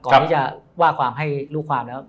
ก่อนที่จะว่าความให้ลูกความแล้ว